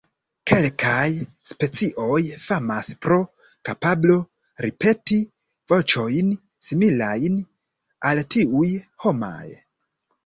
Kelkaj specioj famas pro kapablo ripeti voĉojn similajn al tiuj homaj.